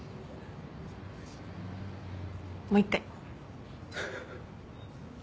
もう一回。